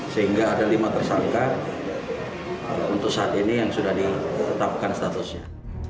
sehingga ada lima tersangka untuk saat ini yang sudah ditetapkan statusnya